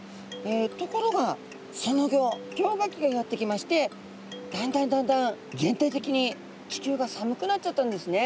ところがそのギョ氷河期がやってきましてだんだんだんだん全体的に地球が寒くなっちゃったんですね。